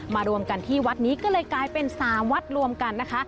รวมกันที่วัดนี้ก็เลยกลายเป็น๓วัดรวมกันนะคะ